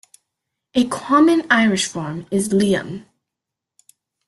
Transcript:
A common Irish form is "Liam".